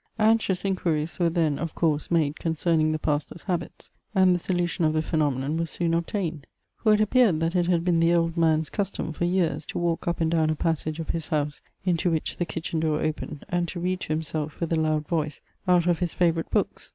Anxious inquiries were then, of course, made concerning the pastor's habits; and the solution of the phenomenon was soon obtained. For it appeared, that it had been the old man's custom, for years, to walk up and down a passage of his house into which the kitchen door opened, and to read to himself with a loud voice, out of his favourite books.